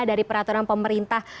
dari peraturan pemerintah